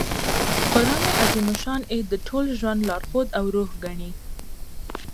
قران عظیم الشان ئې د ټول ژوند لارښود او روح ګڼي.